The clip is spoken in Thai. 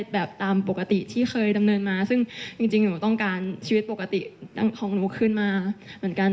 แบบตามปกติที่เคยดำเนินมาซึ่งจริงหนูต้องการชีวิตปกติของหนูคืนมาเหมือนกัน